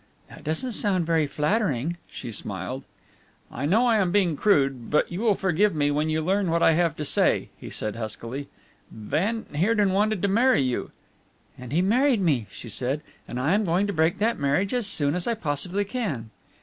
"This doesn't sound very flattering," she smiled. "I know I am being crude, but you will forgive me when you learn what I have to say," he said huskily. "Van Heerden wanted to marry you " "And he married me," she said, "and I am going to break that marriage as soon as I possibly can."